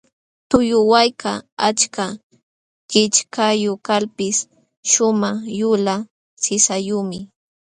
Tuqulluwaykaq achka kichkayuq kalpis shumaq yulaq sisayuqmi.